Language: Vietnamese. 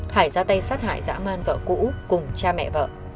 hải ra tay sát hại dã man vợ cũ cùng cha mẹ vợ